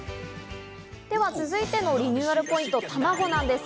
では続いてのリニューアルポイント、卵なんです。